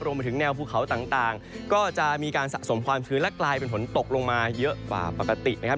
รวมไปถึงแนวภูเขาต่างก็จะมีการสะสมความชื้นและกลายเป็นฝนตกลงมาเยอะกว่าปกตินะครับ